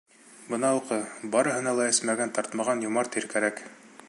Бына уҡы: барыһына ла эсмәгән, тартмаған, йомарт ир кәрәк.